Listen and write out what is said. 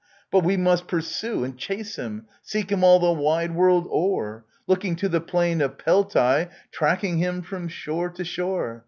But we must pursue and chase him ; seek him all the wide world o'er! Looking to the plain of Peltce, tracking him from shore to shore